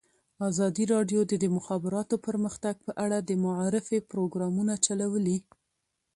ازادي راډیو د د مخابراتو پرمختګ په اړه د معارفې پروګرامونه چلولي.